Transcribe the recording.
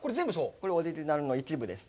これ、オリジナルの一部です。